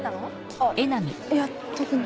あっいや特に。